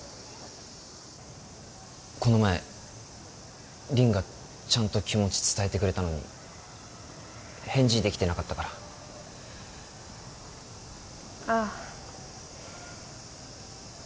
この前凛がちゃんと気持ち伝えてくれたのに返事できてなかったからああ